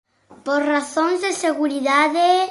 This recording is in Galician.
Por razóns de seguridade...